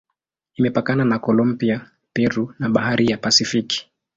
Imepakana na Kolombia, Peru na Bahari ya Pasifiki.